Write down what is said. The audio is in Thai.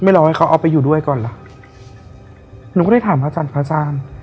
รอให้เขาเอาไปอยู่ด้วยก่อนล่ะหนูก็ได้ถามพระอาจารย์พระอาจารย์